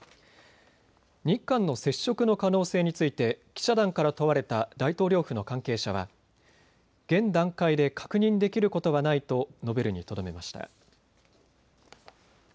日韓の接触の可能性について記者団から問われた大統領府の関係者は現段階で確認できることはないと述べるにとどめました。